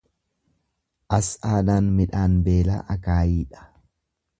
As aanaan midhaan beelaa akaayiidha.